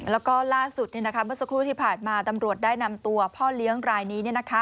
แล้วก็ล่าสุดเมื่อสักครู่ที่ผ่านมาตำรวจได้นำตัวพ่อเลี้ยงรายนี้